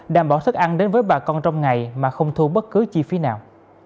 đảm bảo sức ăn đến với bà con trong ngày mà không thu bất cứ chi phí nào